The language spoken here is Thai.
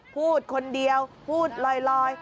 พูดคนเดียวพูดลอย